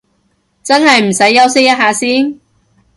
真係唔使休息一下先？